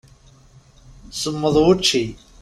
Semmeḍ wučči.